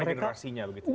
karena generasinya begitu